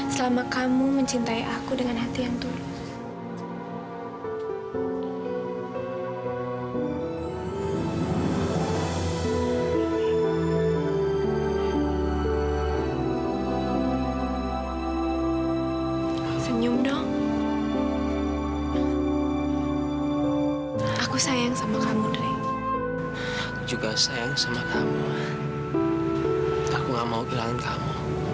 selama kamu mencintai aku dengan hati yang dulu